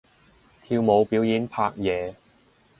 跳舞表演拍嘢